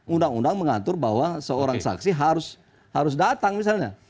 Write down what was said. undang undang mengatur bahwa seorang saksi harus datang misalnya